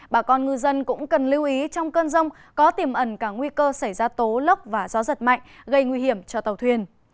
bà con ngư dân cũng cần lưu ý trong cơn rông có tiềm ẩn cả nguy cơ xảy ra tố lốc và gió giật mạnh gây nguy hiểm cho tàu thuyền